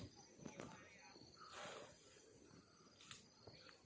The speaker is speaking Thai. เป็นรายเป็นที่มีต้นเต็มทั้งคาดสู่เมืองด้วย